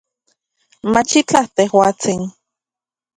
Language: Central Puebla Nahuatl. Machitlaj, tejuatsin